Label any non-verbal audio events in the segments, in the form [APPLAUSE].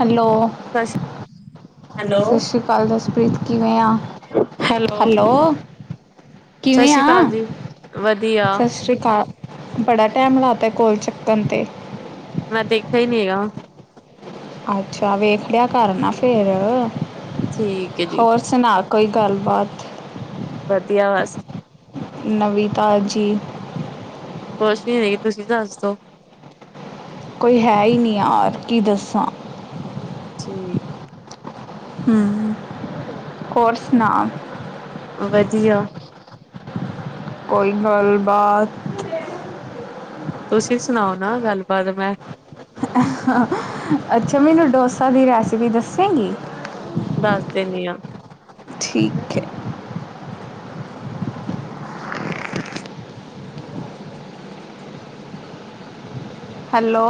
Hello ਕਸ। ਸਤਿ ਸ੍ਰੀ ਅਕਾਲ ਦਸਪ੍ਰੀਤ, ਕਿਵੇਂ ਆਂ, ਸਤਿ ਹੈਲੋ। ਕਿਵੇਂ ਸ੍ਰੀ ਅਕਾਲ ਆ, ਜੀ। ਵਧੀਆ, ਸਤਿ ਸ੍ਰੀ ਅਕਾਲ। ਬੜਾ ਟਾਈਮ ਲਾਤਾ, ਕੋਲ ਚੱਕਣ ਤੇ। ਮੈਂ ਦੇਖਿਆ ਹੀ ਨੀ ਹੈਗਾ। ਅੱਛਾ ਵੇਖ ਲਿਆ, ਕਰ ਨਾ ਫੇਰ। ਠੀਕ ਹੈ ਜੀ। ਸੁਣਾ ਕੋਈ ਗੱਲਬਾਤ। ਵਧੀਆ ਬਸ। ਨਵੀ ਤਾਜੀ। ਕੁਛ ਨੀ ਹੈਗੀ, ਤੁਸੀਂ ਦੱਸਦੋ। ਕੋਈ ਹੈ ਹੀ ਨਹੀਂ ਯਾਰ, ਕੀ ਦੱਸਾਂ। ਠੀ। ਹ, ਹੋਰ ਸੁਣਾ। ਵਧੀਆ। ਕੋਈ ਗੱਲਬਾਤ। ਤੁਸੀਂ ਸੁਣਾਓ ਨਾ ਗੱਲਬਾਤ ਮੈਂ। ਅੱਛਾ ਮੈਨੂੰ ਡੋਸਾ ਦੀ ਰੈਸਿਪੀ ਦੱਸੇਗੀ। ਦੱਸ ਦਿੰਦੀ ਹਾਂ। ਠੀਕ ਹੈ। ਹੈਲੋ।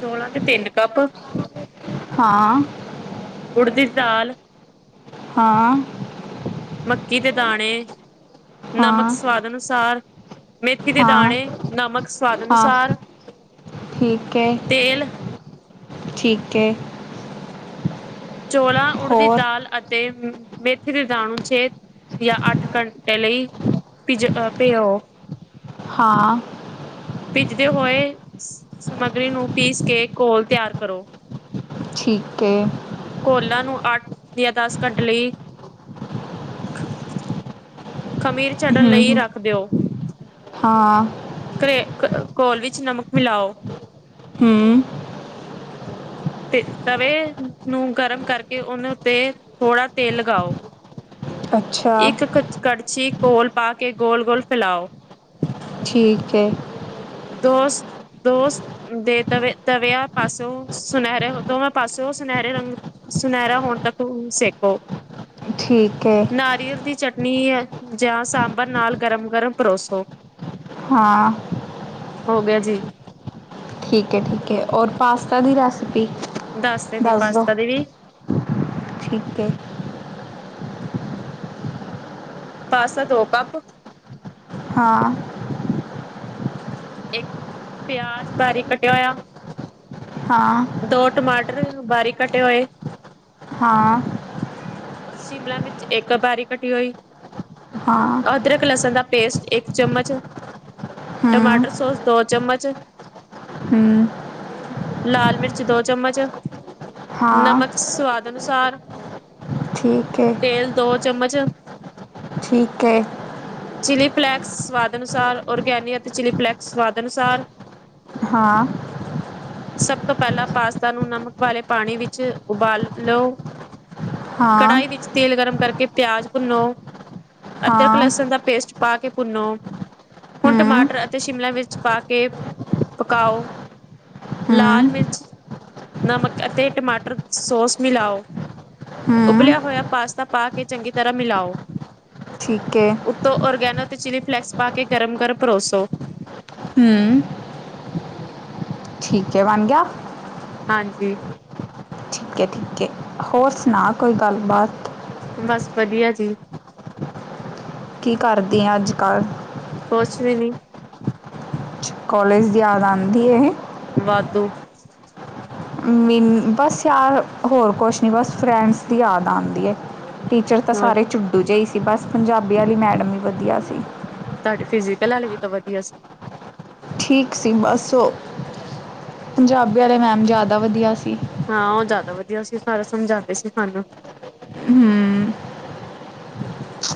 ਚੋਲਾਂ ਦੇ ਤਿੰਨ ਕੱਪ। ਅੱ। [UNINTELLIGIBLE] ਹਾਂ। ਉੜ ਦੀ ਦਾਲ। ਹਾਂ। ਮੱਕੀ ਦੇ ਦਾਣੇ, ਨਮਕ ਹਾਂ ਸਵਾਦ ਅਨੁਸਾਰ। ਮੇਥੀ ਦੇ ਹਾਂ ਦਾਣੇ, ਨਮਕ ਸਵਾਦ ਹਾਂ ਅਨੁਸਾਰ, ਠੀਕ ਹੈ ਤੇਲ। ਠੀਕ ਹੈ। ਚੋਲਾਂ, ਉੜਦੀ ਹੋਰ ਦਾਲ ਅਤੇ ਤੇ ਮੇਥੇ ਦੇ ਦਾਣੇ, ਛੇ ਜਾਂ ਅੱਠ ਘੰਟੇ ਲਈ। ਤੇ ਜ ਅ ਭਿਉ ਹਾਂ। ਭਿਜਦੇ ਹੋਏ, ਸਮੱਗਰੀ ਨੂੰ ਪੀਸ ਕੇ ਘੋਲ ਤਿਆਰ ਕਰੋ। ਠੀਕ ਹੈ। ਘੋਲਾਂ ਨੂੰ ਅੱਠ, ਜਾਂ ਦਸ ਘੰਟੇ ਲਈ ਖਮੀਰ ਚੜਨ ਹੂੰ ਲਈ ਹੂੰ ਰੱਖ ਦਿਓ। ਹਾਂ। ਘਰੇ, ਘੋਲ ਵਿੱਚ ਨਮਕ ਮਿਲਾਓ। ਹਮ। ਤੇ, ਤਵੇ ਨੂੰ ਗਰਮ ਕਰਕੇ ਉਹਨਾਂ ਉੱਤੇ ਥੋੜ੍ਹਾ ਤੇਲ ਲਗਾਓ। ਅੱਛਾ ਇੱਕ ਕੜਛੀ ਘੋਲ ਪਾ ਕੇ ਗੋਲ -ਗੋਲ ਫੈਲਾਓ। ਠੀਕ ਹੈ। ਦੋਸ। ਡੋਸੇ ਦੇ ਦੋਵਾਂ ਪਾਸਿਓ ਸੁਨਹਿਰੇ ਰੰਗ ਸੁਨਹਿਰਾ ਹੋਣ ਤੱਕ ਸੇਖੋ। ਠੀਕ ਹੈ ਨਾਰੀਅਲ ਦੀ ਚਟਨੀ ਜਾਂ ਸਾਂਬਰ ਨਾਲ ਗਰਮ- ਗਰਮ ਪਰੋਸੋ। ਹਾਂ। ਹੋ ਗਿਆ ਜੀ। ਠੀਕ ਹੈ ਠੀਕ ਹੈ ਔਰ ਪਾਸਤਾ ਦੀ ਰੈਸਿਪੀ ਦਿੰਦੀ ਦੱਸ ਦਿਉ। ਪਾਸਤਾ ਦੀ ਵੀ ਠੀਕ ਏ। ਪਾਸਤਾ ਦੋ ਕੱਪ ਹਾਂ। ਇੱਕ ਪਿਆਜ ਭਾਰੀ ਕਟਿਆ ਹੋਇਆ। ਹਾਂ। ਦੋ ਟਮਾਟਰ ਬਾਰੀਕ ਕੱਟੇ ਹੋਏ। ਹਾਂ। ਸ਼ਿਮਲਾ ਮਿਰਚ ਇੱਕ ਬਾਰੀ ਘਟੀ ਹੋਈ ਹਾਂ ਅਦਰਕ ਮਕ ਲਸਣ ਦਾ ਪੇਸਟ ਇੱਕ ਚਮਚ ਹੂੰ ਟਮਾਟਰ ਸੌਸ ਦੋ ਚਮਚ ਹਮ। ਲਾਲ ਮਿਰਚ ਦੋ ਚਮਚ ਹਾਂ ਨਮਕ ਸਵਾਦ ਅਨੁਸਾਰ। ਠੀਕ ਹੈ। ਤੇਲ ਦੋ ਚਮਚ ਠੀਕ ਹੈ। ਚਿਲੀ ਫਲੈਕਸ ਸਵਾਦ ਅਨੁਸਾਰ ਔਰ ਗੈਨੀ ਅਤੇ ਚਿਲੀ ਫਲੈਕਸ ਸਵਾਦ ਅਨੁਸਾਰ। ਹਾਂ। ਸਭ ਤੋਂ ਪਹਿਲਾਂ ਪਾਸਤਾ ਨੂੰ ਨਮਕ ਵਾਲੇ ਪਾਣੀ ਵਿੱਚ ਉਬਾਲ ਓ। ਹਾਂ ਕੜਾਹੀ ਵਿੱਚ ਤੇਲ ਗਰਮ ਕਰਕੇ ਪਿਆਜ਼ ਭੁੰਨੋ ਅਦਰਕ ਹਾਂ ਲਸਣ ਦਾ। ਪੇਸਟ ਪਾ ਕੇ ਭੁੰਨੋ ਹੁਣ ਹੂੰ ਟਮਾਟਰ ਅਤੇ ਸ਼ਿਮਲਲਾ ਵਿੱਚ ਪਾ ਕੇ ਪਕਾਓ। ਲਾਲ ਹੂੰ ਮਿਰਚ ਨਮਕ ਅਤੇ ਟਮਾਟਰ ਸੋਸ ਮਿਲਾਓ। ਹੂੰ ਉਬਲਿਆ ਹੋਇਆ ਪਾਸਤਾ ਪਾ ਕੇ ਚੰਗੀ ਤਰ੍ਹਾਂ ਮਿਲਾਓ। ਠੀਕ ਹੈ। ਉੱਤੋਂ ਔਰਗੈਨੋ ਤੇ ਚਿਲੀ ਫਲੇੈਕਸ ਪਾ ਕੇ ਗਰਮ ਗਰਮ ਪਰੋਸੋ। ਹੂੰ ਠੀਕ ਹੈ ਬਣ ਗਿਆ। ਹਾਂਜੀ। ਠੀਕ ਏ ਠੀਕ ਏ ਹੋਰ ਸੁਣਾ ਕੋਈ ਗੱਲਬਾਤ। ਬਸ ਵਧੀਆ ਜੀ। ਕੀ ਕਰਦੀ ਆ ਅੱਜ-ਕੱਲ੍ਹ? ਕੁਛ ਵੀ ਨੀ, ਕੋਲੇਜ ਦੀ ਯਾਦ, ਆਉਂਦੀ ਏ ਵਾਧੂ ਮੀਨ ਬਸ ਯਾਰ ਹੋਰ ਕੁਛ ਨਹੀਂ, ਬਸ ਫਰੈਂਡਸ ਦੀ ਯਾਦ ਆਉਂਦੀ ਹੈ ਟੀਚਰ ਤਾਂ ਹੋਰ ਸਾਰੇ, ਚੂਡੂ ਜੇ ਹੀ ਸੀ, ਬਸ ਪੰਜਾਬੀ ਵਾਲੀ ਮੈਡਮ ਵੀ ਵਧੀਆ ਸੀ। ਤੁਹਾਡੇ ਫਿਜੀਕਲ, ਹੱਲ ਵੀ ਤਾਂ ਵਧੀਆ ਸੀ। ਠੀਕ ਸੀ ਬਸ, ਪੰਜਾਬੀ ਵਾਲੇ ਮੈਮ ਜ਼ਿਆਦਾ ਵਧੀਆ ਸੀ। ਹਾਂ ਉਹ ਜ਼ਿਆਦਾ ਵਧੀਆ ਸੀ ਸਾਰਾ ਸਮਝਾਉਂਦੇ ਸੀ ਸਾਨੂੰ। ਹੂੰ ਹੂੰ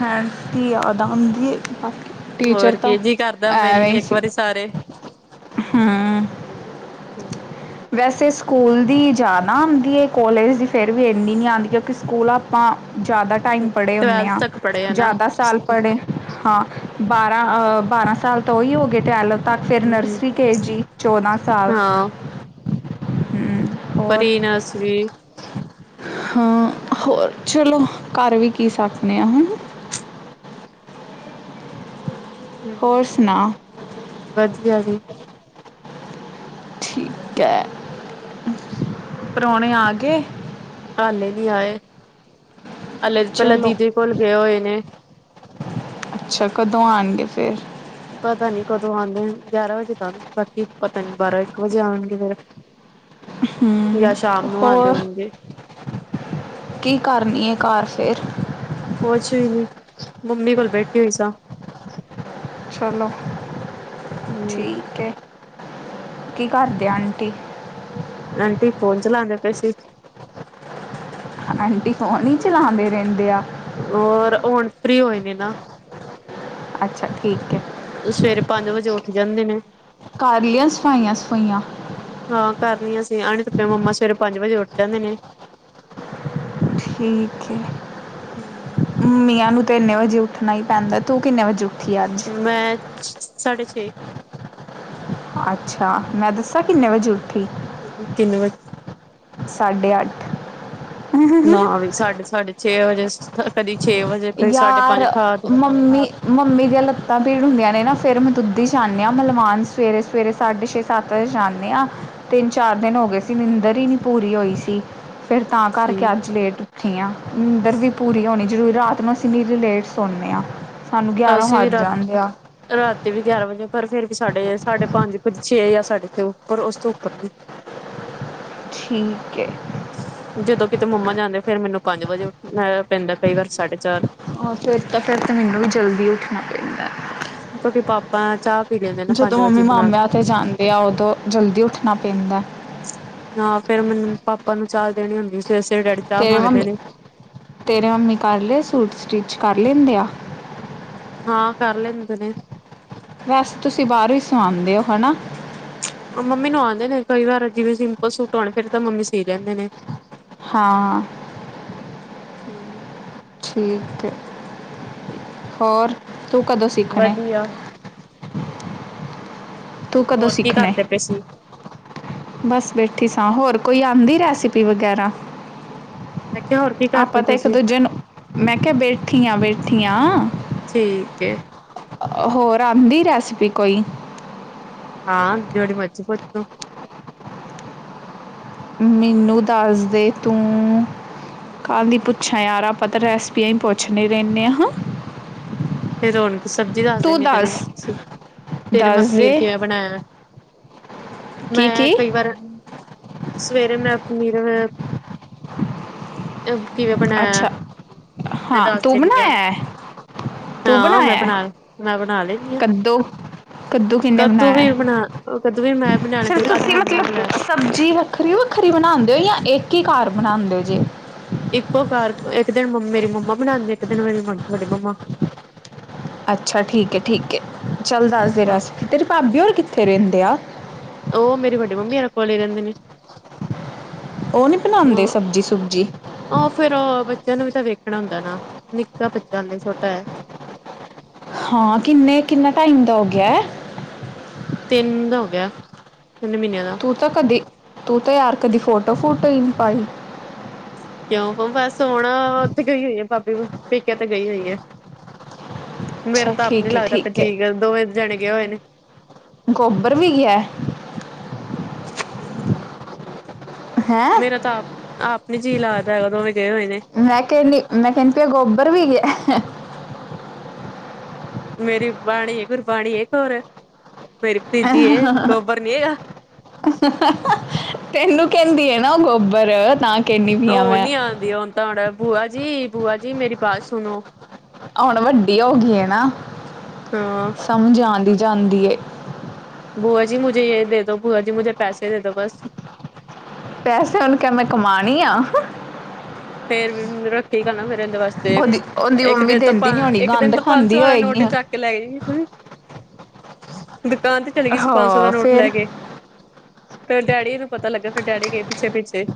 ਹੈਣ ਦੀ ਯਾਦ ਆ ਹਉਂਦੀ ਬਾਕੀ ਟੀਚਰ ਹੋਰ ਤਾਂ ਕੀ ਜੀ ਕਰਦਾ ਮਿਲ ਐਵੇਂ ਹੀ ਲਈਏ ਇੱਕ ਸੀ। ਵਾਰੀ ਸਾਰੇ ਹਾਂ। ਹੂੰ ਵੈਸੇ ਸਕੂਲ ਦੀ ਜਾ ਨਾ ਆਉਂਦੀ ਹੈ ਕੋਲੇਜ ਦੀ ਫੇਰ ਵੀ ਇੰਨੀ ਨਹੀਂ ਆਉਂਦੀ ਕਿਉਂਕਿ ਸਕੂਲ ਆਪ ਆਪਾਂ ਜ਼ਿਆਦਾ ਟਾਈਮ ਪੜ੍ਹੇ ਹੁੰਦੇ ਟਵੈਲਥ ਹਾਂ ਤੱਕ ਪੜ੍ਹੇ ਆ ਨਾ ਜ਼ਿਆਦਾ ਸਾਲ ਪੜ੍ਹੇ। ਹਾਂ ਬਾਰਾਂ ਅਹ ਬਾਰਾਂ ਸਾਲ ਤੋਂ ਹੀ ਹੋ ਗਏ ਟਵੈਲਵ ਤੱਕ ਫਿਰ ਹੂੰ ਨਰਸਰੀ ਕੇ ਜੀ ਚੌਦਾਂ ਸਾਲ। ਹਾਂ ਹੂੰ ਪਰੀ ਨਰਸਰੀ ਹਾਂ ਹੋਰ ਚਲੋ ਕਰ ਵੀ ਕੀ ਸਕਦੇ ਆਂ ਹੂੰ। ਹੋਰ ਹੂੰ ਸੁਣਾ [UNINTELLIGIBLE] ਜੀ। ਠੀਕ ਹੈ। ਪਰੌਣੇ ਆ ਗਏ? ਹਾਲੇ ਨੀ ਆਏ, ਹਾਲੇ ਪਹਿਲਾਂ ਚਲੋ ਦੀਦੀ ਕੋਲ ਗਏ ਹੋਏ ਨੇ, ਅੱਛਾ, ਕਦੋ ਆਣਗੇ ਫਿਰ ਪਤਾ ਨਈ ਕਦੋਂ ਆਉਂਦੇ, ਗਿਆਰਾਂ ਵਜੇ ਤਾਂ ਆਉਦੇ ਸੀ ਬਾਕੀ ਪਤਾ ਨਈ ਬਾਰਾਂ -ਇੱਕ ਵਜੇ ਆਉਣਗੇ ਫੇਿਰ [UNINTELLIGIBLE] ਜਾਂ ਸ਼ਾਮ ਨੂੰ ਆਂਦੇ ਹੋਰ ਹੋਣਗੇ ਕੀ ਕਰਨੀ ਹੈ ਘਰ ਫੇਿਰ ਕੁਛ ਵੀ ਨੀ ਮੰਮੀ ਕੋਲ ਬੈਠੀ ਹੋਈ ਸਾ ਚਲੋ ਹੂੰ ਠੀਕ ਹੈ, ਕੀ ਕਰਦੇ ਆਂਟੀ? ਆਂਟੀ ਫੋਨ ਚਲਾਾਂਉਦੇ ਪੈ ਸੀ। ਆਂਟੀ ਫੈਨ ਹੀ, ਚਲਾਉਂਦੇ ਰਹਿੰਦੇ ਆ। ਹੋਰ, ਹੁਣ ਫਰੀ ਹੋਏ ਨੇ ਨਾ, ਅੱਛਾ ਠੀਕ ਐ। ਸਵੇਰੇ ਪੰਜ ਵਜੇ, ਉੱਠ ਜਾਂਦੇ ਨੇ, ਕਾਰਲੀਆਂ, ਸਫਾਈਆਂ -ਸਫੂਈਆਂ ਹਾਂ ਕਰ ਲਈਆ ਸੀ। ਆਣੇ ਮੰਮਾ ਸਵੇਰੇ ਪੰਜ ਵਜੇ ਉੱਠ ਜਾਂਦੇ ਨੇ, ਠੀਕ ਹੈ [INAUDIBLE] ਹਮ [INAUDIBLE] ਮਮੀਆ ਨੂੰ, ਤੇ ਇੰਨੇ ਵਜੇ ਉੱਠਣਾ ਹੀ ਪੈਂਦਾ ਤੂੰ ਕਿੰਨੇ ਵਜੇ ਉੱਠੀ ਅੱਜ ਮੈਂ ਸਾਢੇ ਛੇ ਅੱਛਾ, ਮੈਂ ਦੱਸਾਂ ਕਿੰਨੇ ਵਜੇ ਉੱਠੀ? ਕਿੰਨੇ ਵਜੇ ਸਾਡੇ ਅੱਠ, ਨਾ ਵੀ ਸਾਢੇ ਸਾਢੇ ਛੇ ਵਜੇ ਕਦੀ ਛੇ ਵਜੇ ਕਦੀ ਸਾਢੇ ਪੰਜ ਠਾਹ ਤੇ ਅਂਮੀ, ਮੰਮੀ ਦੀਆਂ ਲੱਤਾਂ ਭੀੜ ਹੁੰਦੀਆਂ ਨੇ ਨਾ, ਫੇਿਰ ਮੈਂ ਦੁੱਧੀ ਜਾਂਦੀ ਹਾਂ ਮਲਵਾਨ ਸਵੇਰੇ -ਸਵੇਰੇ ਸਾਢੇ ਛੇ ਸਾਤ ਵਜੇ ਜਾਂਦੇ ਹਾਂ, ਤਿੰਨ -ਚਾਰ ਦਿਨ ਹੋ ਗਏ ਸੀ, ਨਿੰਦਰ ਹੀ ਨੀ ਪੂਰੀ ਹੋਈ ਸੀ। ਫੇਰ ਤਾਂ ਕਰਕੇ ਠੀਕ ਅੱਜ ਲੇਟ ਉੱਠੀ ਆ ਅੰਦਰ ਵੀ ਪੂਰੀ ਹੋਣੀ ਜ਼ਰੂਰੀ ਰਾਤ ਨੂੰ ਅਸੀਂ ਵੀ ਲੇਟ ਸੋਂਦੇ ਹਾਂ ਸਾਨੂੰ ਗਿਆਰਾਂ ਅਸੀਂ ਵੀ ਵੱਜ ਰਾਤ ਜਾਂਦੇ ਆ। ਰਾਤੀ ਵੀ ਗਿਆਰਾਂ ਵਜੇ ਪਰ ਫਿਰਰ ਵੀ ਸਾਡੇ ਸਾਡੇ ਪੰਜ ਕੁ ਛੇ ਜਾਂ ਸਾਡੇਥੇ ਉੱਪਰ ਉਸ ਤੋਂ ਉੱਪਰ ਵੀ ਠੀਕ ਹੈ। ਜਦੋਂ ਕਿਤੇ ਮੰਮਾ ਜਾਂਦੇ ਫੇਿਰ ਮੈਨੂੰ ਪੰਜ ਵਜੇ ਪੈਂਦਾ ਕਈ ਵਾਰ ਸਾਢੇ ਚਾਰ ਹ ਫਿਰ ਤਾਂ ਫਿਰ ਤੇ ਮੈਨੂੰ ਵੀ ਜਲਦੀ ਉੱਠਣਾ ਪੈਂਦਾ। ਕਿਉਕਿ ਪਾਪਾ ਚਾਹ ਪੀ ਲੈਂਦੇ ਨਾ ਜਦੋਂ ਪੰਜ ਮੰਮੀ ਵਜੇ ਬਣਾ ਮਾਮਿਆਂ ਤੇ ਜਾਂਦੇ ਆ ਉਦੋਂ ਜਲਦੀ ਉੱਠਣਾ ਪੈਂਦਾ ਹਾਂ ਫੇਿਰ ਮੈਨੂੰ, ਪਾਪਾ ਨੂੰ ਚਾਹ ਦੇਣੀ ਹੁੰਦੀ, ਸਵੇਰੇ- ਸਵੇਰੇ ਡੈਡੀ, ਚਾਹ ਤੇਰੇ ਮੰਗਦੇ ਮੰਮੀ ਨੇ -ਤੇਰੇ ਮੰਮੀ ਕਰ ਲਏ ਸੂਟ ਸਟਿੱਚ, ਕਰ ਲੈਂਦੇ ਆ। ਹਾਂ ਕਰ ਲੈਂਦੇ ਨੇ ਵੇਸੇ ਤੁਸੀਂ, ਬਾਹਰ ਹੀ ਸਵਾਉਂਦੇ ਹੋ ਹੈਨਾ। ਮੰਮੀ ਨੂੰ ਆਉਂਦੇ ਨੇ, ਕਈ ਵਾਰ ਜਿਵੇਂ ਸਿੰਪਲ ਸੂਟ ਆਉਣੇ ਫਿਰ ਤਾਂ, ਮੰਮੀ ਸੀ ਲੈਂਦੇ ਨੇ- ਹਾਂ। [UNINTELLIGIBLE] ਠੀਕ ਹੈ, ਹੋਰ ਤੂੰ ਕਦੋਂ ਸਿੱਖਣਾ? ਵਧੀਆ ਤੂੰ ਕਦੋਂ ਹੋਰ ਕੀ ਸਿੱਖਣੇ ਕਰਦੇ ਪਏ ਸੀ। ਬਸ ਬੈਠੀ ਸਾਂ, ਹੋਰ ਕੋਈ ਆਉਂਦੀ ਰੈਸਪੀ ਵਗੈਰਾ? ਮੈਂ ਕਿਹਾ ਹੋਰ ਕੀ ਕਰਦੇ ਆਪਾਂ ਤੇ, ਪਏ ਇੱਕ ਸੀ ਦੂਜੇ ਨੂੰ ਮੈਂ ਕਿਹਾ ਬੈਠੀ ਹਾਂ, ਬੈਠੀ ਹਾਂ, ਠੀਕ ਏ, ਹੋਰ ਆਉਂਦੀ ਰੈਸਪੀ ਕੋਈ? ਹਾਂ ਜਿਹੜੀ ਮਰਜ਼ੀ ਪੁੱਛ ਲੋ। ਮੈਨੂੰ ਦੱਸਦੇ ਤੂੰ ਕੱਲ ਦੀ ਪੁੱਛਾਂ ਯਾਰ, ਆਪਾਂ ਤਾਂ ਰੈਸਪੀਆ ਹੀ ਪੁੱਛਣੇ ਰਹਿੰਦੇ ਹਾਂ ਹਾਂ। ਤੇ ਰੋਣ ਸਬਜ਼ੀ ਦੱਸ ਦਿੰਦੀ ਆ ਤੈਨੂੰ, ਸਵੇਰੇ ਮੈਂ ਦੱਸ ਪਨੀਰ ਦੇ ਕਿਵੇਂ ਬਣਾਇਆ। ਕੀ ਮੈਂ ਕੀ ਕਈ ਵਾਰ, ਸਵੇਰੇ ਮੈਂ ਪਨੀਰ ਕਿਵੇਂ ਬਣਾਇਆ, ਅੱਛਾ ਮੈਂ ਹਾਂ ਦੱਸ ਤੂੰ ਦੇਂਦੀ ਹਾਂ। ਬਣਾਇਆ ਹੈ ਤੂੰ ਹਾਂ ਮੈਂ ਬਣਾਇਆ ਹੈ ਬਣਾ, ਮੈਂ ਬਣਾ ਲੈਦੀ ਆ। ਕੱਦੂ ਕੱਦੂ ਕਿੰਨੇ ਕਦੂ ਬਣਾਇਆ ਵੀ ਬਣਾ, ਕਦੂ ਵੀ ਮੈਂ ਸਿਰਫ ਬਣਆਣਾ, ਅੱਜ ਤੁਸੀਂ ਮੰਮੀ ਨੇ ਮਤਲਬ ਬਣਾਇਆ। ਸਬਜ਼ੀ ਵੱਖਰੀ -ਵੱਖਰੀ ਬਣਾਉਦੇ ਹੋ, ਜਾਂ ਇੱਕ ਹੀ ਘਰ ਬਣਾਉਂਦੇ ਜੇ ਇੱਕੋ ਘਰ, ਇੱਕ ਦਿਨ ਮੰ ਮੇਰੀ ਮੰਮਾ ਬਣਾਉਂਦੇ, ਇੱਕ ਦਿਨ ਮੇਰੀ ਵੱਡੀ ਮੰਮਾ ਅੱਛਾ ਠੀਕ ਹੈ ਠੀਕ ਹੈ, ਚੱਲ ਦੱਸਦੇ ਹਾਂ ਰੈਸਪੀ, ਤੇਰੇ ਭਾਬੀ ਹੋਰ ਕਿੱਥੇ ਰਹਿੰਦੇ ਆ। ਉਹ ਮੇਰੀ ਵੱਡੀ ਮੰਮੀਰੇ ਕੋਲ ਹੀ ਰਹਿੰਦੇ ਨੇ। ਉਹ ਨੀ ਬਣਾਉਂਦੇ ਅ ਸਬਜ਼ੀ ਸੁਬਜੀ। ਉਹ ਫਿਰ ਬੱਚਿਆਂ ਨੂੰ ਵੀ ਤਾਂ ਵੇਖਣਾ ਹੁੰਦਾ ਨਾ, ਨਿੱਕਾ ਬੱਚਾ ਛੋਟਾ ਹੈ। ਹਾਂ ਕਿੰਨੇ, ਕਿੰਨਾ ਟਾਈਮ ਦਾ ਹੋ ਗਿਆ ਹੈ। ਤਿੰਨ ਦਾ ਹੋ ਗਿਆ, ਤਿੰਨ ਮਹੀਨਿਆਂ ਦਾ ਤੂੰ ਤਾਂ ਕਦੀ, ਤੂੰ ਤਾਂ ਯਾਰ ਕਦੀ ਫੋਟੋ ਫੋਟੋ ਨਹੀ ਪਾਈ ਕਿਉਂ ਬਸ ਹੁਣ ਉੱਥੇ ਗਈ ਹੋਈ ਹੈ ਭਾਬੀ ਪੇਕਿਆ ਤੇ ਗਈ ਹੋਈ ਹੈ। ਮੇਰਾ ਅੱਛਾ ਤਾਂ ਆਪ ਨੀ ਠੀਕ ਹੈ ਲੱਗਦਾ ਠੀਕ ਹੈ ਜੀ, ਦੋਵੇਂ ਜਾਣੇ ਗਏ ਹੋਏ ਨੇ। ਗੋਬਰ ਵੀ ਗਿਆ। ਹੈਂ? ਮੇਰਾ ਤਾਂ ਆਪ ਆਪ ਨੀ ਜੀਅ ਲੱਗਦਾ, ਉਹ ਦੋਂਵੇ ਗਏ ਹੋਏ ਨੇ। ਮੈਂ ਕਹਿੰਦੀ, ਮੈਂ ਕਹਿੰਦੀ ਗੋਬਰ ਵੀ ਗਿਆ। ਮੇਰੀ ਬਾਣੀ ਹੈ, ਗੁਰਬਾਣੀ ਹੈ ਕੋਰ ਮੇਰੀ ਭਤੀਜੀ ਹੈ, ਗੋਬਰ ਨੀ ਹੈਗਾ। ਤੈਨੂੰ ਕਹਿੰਦੀ ਹੈ ਨਾ ਉਹ ਗੋਬਰ, ਤਾਂ ਕਹਿੰਦੀ ਪਈ ਹਾਂ ਉਹ ਮੈਂ ਨੀ ਆਉਂਦੀ ਹੈ ਤਾਂ, ਬੂਆ ਜੀ, ਬੂਆ ਜੀ ਮੇਰੀ ਬਾਤ ਸੁਣੋ। ਹੁਣ ਵੱਡੀ ਹੋ ਗਈ ਹੈ ਨਾ, ਹਾਂ ਸਮਝ ਆਉਂਦੀ ਜਾਂਦੀ ਏ ਬੂਆ ਜੀ ਮੁਝੇ ਯੇਹ ਦੇ ਦੋ, ਬੂਆ ਜੀ ਮੁਝੇ ਪੈਸੇ ਦੇ ਦੋ ਬਸ। ਪੈਸੇ ਹੁਣ ਕਿਆ ਮੈਂ ਕਮਾਉਣੀ ਆਂ। ਫੇਰ ਵੀ ਮੇਰਾ। ਠੀਕ ਗੱਲ ਨਾ ਮੇਰੇ ਇਂਹਦੇ ਵਾਸਤੇ, ਉਹਦੀ ਉਹਦੀ ਇੱਕ ਮੰਮੀ ਦਿਨ ਤਾਂ ਦਿੰਦੀ ਨਹੀਂ ਪੰ ਹੋਣੀ ਇੱਕ ਦਿਨ ਗੰਦ ਤਾਂ ਪੰਜਸੋ ਖਾਂਦੀ ਵਾਲਾ ਹੋਏਗੀ ਨੋਟ ਚੱਕ ਕਿ ਲੈਂ ਗ। ਦੁਕਾਨ ਤੇ ਚਲੀ ਗਈ ਸੀ ਪੰਜ ਸੌ ਦਾ ਹਾਂ ਨੋਟ ਲੈ ਫਿਰ ਕੇ। ਫਿਰ ਡੈੱਡੀ ਨੂੰ ਪਤਾ ਲੱਗਿਆ, ਫਿਰ ਡੈੱਡੀ ਗਏ ਪਿੱਛੇ-ਪਿੱਛੇ।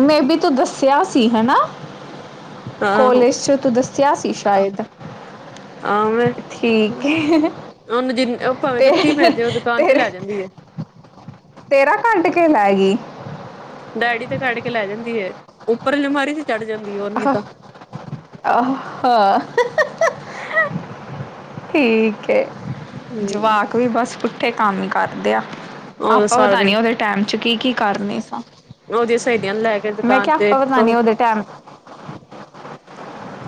ਮੇ ਬੀ ਤੂੰ ਦੱਸਿਆ ਸੀ ਹੈਨਾ, ਆਹੋ ਕਾਲਜ 'ਚ ਤੂੰ ਦੱਸ। ਕਿਹਾ ਸੀ ਸ਼ਾਇਦ ਆਂ ਮੈਂ ਹਮ, ਠੀਕ ਹੈ ਉਹ ਨ ਜਿੰ ਉਹ ਭਾਵੇਂ ਤੇ ਕਿੱਥੇ ਪੈ ਜੇ, ਉਹ ਦੁਕਾਨ ਤੇ ਤੇਰੇ ਲੈ ਜਾਂਦੀ ਆ। ਤੇਰਾ ਕਢ ਕੇ ਲੈ ਗਈ। ਡੈਡੀ ਦਾ ਕੱਢ ਕੇ ਲੈ ਜਾਂਦੀ ਹੈ, ਉੱਪਰ ਅਲਮਾਰੀ ਤੇ ਚੜ੍ਹ ਜਾਂਦੀ ਓਨੀ ਆਹ, ਤਾਂ ਆਹ ਹਾਂ। ਠੀਕ ਹੈ, ਹਮ ਜਵਾਕ ਵੀ ਬਸ ਪੁੱਠੇ ਕੰਮ ਹੀ ਕਰਦੇ ਆ। ਉਹ ਆਪਾਂ ਸਾਰਾ ਪਤਾ ਨੀ ਦਿਨ ਉਹਦੇ ਟਾਈਮ 'ਚ ਕੀ ਕੀ ਕਰਨੇ ਸਾਂ ਉਹਦੀਆਂ ਸਹੇਲੀਆਂ ਨੂੰ ਲੈ ਕੇ ਮੈਂ ਦੁਕਾਨ ਕਿਹਾ ਤੇ ਆਪਾਂ ਪਤਾ ਨੀ, ਉਹਦੇ ਟਾਈਮ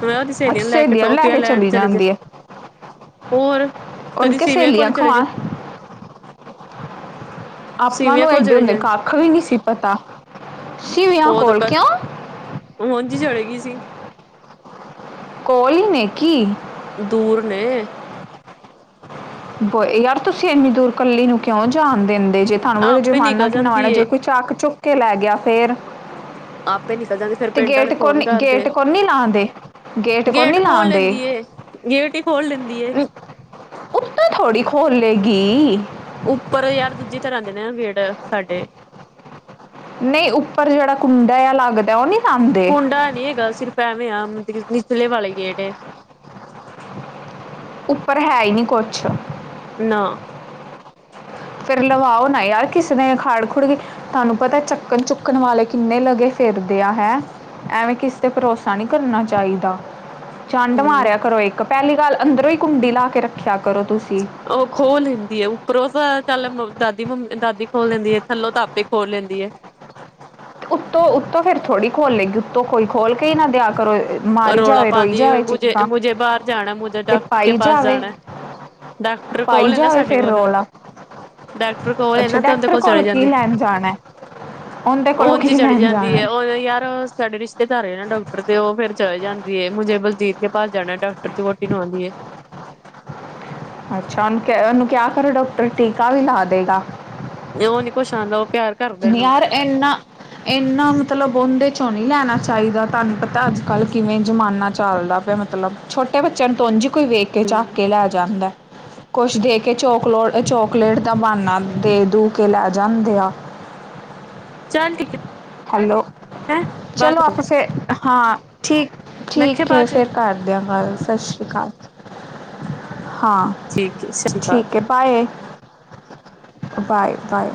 ਮੈਂ ਉਹਦੀ ਸਹੇਲੀਆਂ ਨੂੰ ਲੈ ਕੇ ਟੋਫੀਆਂ ਲੈਣ ਚਲੇ ਜਾਏ, ਹੋਰ। ਕਦੀ ਉਨਕੇ ਸੀਵਿਆਂ ਸਹੇਲੀਆਂ ਕੋਲ ਚਲੇ ਖਵਾ ਜੇ ਆਪਾਂ ਸੀਵਿਆ ਨੂੰ ਕੋਲ ਐਡੇ ਚਲੇ ਹੁੰਦੇ ਜੇ ਕੱਖ ਵੀ ਨਹੀਂ ਸੀ ਪਤਾ, ਸਿਵਿਆਂ ਉਹ ਤਾਂ ਕੋਲ, ਕ ਕਿਉਂ ਉਂਝ ਹੀ ਚਲੇ ਗਈ ਸੀ। ਕੋਈ ਨੇ ਕੀ? ਦੂਰ ਨੇ। ਬੋਏ ਯਾਰ ਤੁਸੀਂ ਇੰਨੀ ਦੂਰ ਕੱਲੀ ਨੂੰ ਕਿਉ ਜਾਣ ਦਿੰਦੇ ਜੇ। ਤੁਹਾਨੂੰ ਪ ਆਪੇ ਜ਼ਮਾਨਾ ਨਿਕਲ ਕਿੰਨਾ ਮਾੜਾ ਜਾਂਦੀ ਏ ਜੇ ਕੋਈ ਚੱਕ-ਚੁੱਕ ਕੇ ਲੈ ਗਿਆ ਫੇਰ। ਆਪੇ ਨਿਕਲ ਜਾਂਦੀ ਫੇਰ ਤੇ ਪਿੰਡ ਗੇਟ ਵਾਲੇ ਫੋਨ ਕੋਨੀ, ਗੇਟ ਕਰਦੇ ਕੋਨੀ ਲਾਂਦੇ। ਗੇਟ ਕੋਨੀ ਖੋਲ ਲਾਉਂਦੇ। ਲੈਂਦੀ ਏ ਗੇਟ ਹੀ ਖੋਲ ਲੈਂਦੀ ਏ ਤੋ ਥੋੜੀ ਖੋਲ੍ਹ ਲਏਗੀ। ਉੱਪਰ ਯਾਰ ਦੂਜੀੇ ਤਰ੍ਹਾਂ ਦੇ ਨੇ ਵੈਟ ਸਾਡੇ। ਨਈਂ ਉੱਪਰ ਜਿਹੜਾ ਕੁੰਡਾ ਜਿਆ ਲੱਗਦਾ ਉਹ ਨੀ ਕੁੰਡਾ ਨਈਂ ਹੈਗਾ ਸਿਰਫ ਐਂਵੇਂ ਆ ਮਤਲਬ ਨਿਚਲੇ ਵਾਲੇ ਗੇਟ ਏ। ਉੱਪਰ ਹੈ ਈ ਨਹੀਂ ਕੁੱਛ। ਨਾ। ਫੇਰ ਲਵਾਓ ਨਾ ਯਾਰ ਕਿਸ ਨੇ ਖੱੜ-ਖੁੱੜ ਗਈ, ਤੁਹਾਨੂੰ ਪਤਾ ਏ ਚੱਕਣ-ਚੁੱਕਣ ਵਾਲੇ ਕਿੰਨੇ ਲੱਗੇ ਫਿਰਦੇ ਆ ਹੈਂ ਐਵੇ ਕਿਸ ਤੇ ਭਰੋਸਾ ਨੀ ਕਰਨਾ ਚਾਈਦਾ। ਚੰਡ ਹੂੰ ਮਾਰਿਆ ਕਰੋ ਇੱਕ ਪਹਿਲੀ ਗੱਲ ਅੰਦਰੋਂ ਈ ਕੁੰਡੀ ਲਾ ਕੇ ਰੱਖਿਆ ਕਰੋ ਤੁਸੀ। ਉਹ ਖੋਲ ਲੈਂਦੀ ਹੈ ਉੱਪਰੋਂ ਤਾਂ ਚੱਲ ਮੱਮ ਦਾਦੀ ਮੱਮ ਅ ਦਾਦੀ ਖੋਲ ਲੈਂਦੀ ਏ ਥੱਲੋਂ ਤਾਂ ਆਪੇਈ ਖੋਲ ਲੈਂਦੀ ਏ। ਉੱਤੋਂ-ਉੱਤੋਂ ਫੇਰ ਥੋੜ੍ਹੀ ਖੋਲ੍ਹ ਲੇਗੀ ਉੱਤੋਂ ਕੋਈ ਖੋਲ ਕੇ ਈ ਨਾ ਦਿਆ ਕਰੋ। ਉਹ ਮਾਰੀ ਰੌਲਾ ਜਾਵੇ ਰੋਈ ਪਾਂਦੀ ਏ ਜਾਵੇ ਮੁਝੇ ਅ ਚਿੱਕਾਂ ਮੁਝੇ ਬਾਰ ਜਾਣਾ ਮੁਝੇ ਤੇ ਡਾੱਕਟ ਕੇ ਪਾਈ ਪਾਸ ਜਾਵੇ ਜਾਣਾ ਹੈ। ਡਾੱਕਟਰ ਪਾਈ ਕੋਲ ਏ ਨਾ ਜਾਵੇ ਸਾੱਡੇ ਫਿਰ ਕੋਲ। ਰੋਲਾ ਡਾੱਕਟਰ ਕੋਲ ਏ ਅੱਛਾ ਨਾ ਤੇ ਉਦੇ ਡਾਕਟਰ ਕੋਲ ਚਲੇ ਕੀ ਜਾਂਦੀ। ਲੈਣ ਜਾਣਾ ਹੈ? ਉਹਦੇ ਉਹ ਕੋਲੋਂ ਕੀ ਓਂਜੀ ਚਲੀ ਲੈਣ ਜਾਂਦੀ ਜਾਣਾ ਏ ਹੈ? ਉਹ ਨ ਯਾਰ ਸਾੱਡੇ ਰਿਸ਼ਤੇਦਾਰ ਏਨਾ ਡਾੱਕਟਰ ਤੇ ਉਹ ਫੇਰ ਚਲੇ ਜਾਂਦੀਏ ਮੁਝੇ ਬਲਜੀਤ ਕੇ ਪਾਸ ਜਾਣਾ ਏ ਡਾੱਕਟਰ ਦੀ ਵੋਟੀ ਨ ਆਉਂਦੀ ਏ। ਅੱਛਾ ਉਹਨੂੰ ਕਿਹਾ, ਉਹਨੂੰ ਕਿਆ ਕਰੋ ਡਾਕਟਰ ਟੀਕਾ ਵੀ ਲਾ ਦਿੰਦਾ। ਤੇ ਉਹ ਨੀ ਕੁੱਸ਼ ਆਹਨਦਾ ਉਹ ਪਿਆਰ। ਕਰਦਿਆਂ ਨੂੰ ਯਾਰ ਏਨਾ। ਇਹਨਾ ਮਤਲਬ ਉਂਹਦੇ ਚੋਂ ਨਹੀਂ ਲੈਣਾ ਚਾਹੀਦਾ, ਤੁਹਾਨੂੰ ਪਤਾ ਅੱਜ- ਕੱਲ੍ਹ ਕਿਵੇਂ ਜ਼ਮਾਨਾ ਚੱਲਦਾ ਪਿਆ ਮ। ਛੋਟੇ ਬੱਚਿਆਂ ਨੂੰ ਤੋ ਉਂਝ ਈ ਕੋਈ ਵੇਖ ਕੇ ਚੱਕ ਕੇ ਲੈ ਜਾਂਦਾ ਐ। ਕੁੱਛ ਦੇ ਕੇ ਚੋਕਲੋ ਅ, ਚੋਕਲੇਟ ਦਾ ਬਹਾਨਾ ਦੇ ਦੂ ਕੇ ਲੈ ਜਾਂਦੇ ਆ। ਚੱਲ ਠੀਕ ਏ। ਹੈਲੋ। ਚਲੋ ਆਪਾਂ ਫੇਰ, ਹਾਂ, ਠੀਕ, ਮੈਂ ਕਿਹਾ ਠੀਕ ਏ ਬਾਅਦ ਚ ਫੇਰ ਕਰ ਦਿਆਂ ਗੱਲ, ਸਤਿ ਸ੍ਰੀ। ਹਾਂ। ਠੀਕ ਏ [UNINTELLIGIBLE] ਠੀਕ ਹੈ ਬਾਏ, ਬਾਏ-ਬਾਏ।